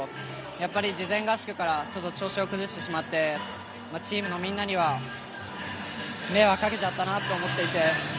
やっぱり事前合宿から調子を崩してしまってチームのみんなには迷惑をかけちゃったなと思っていて。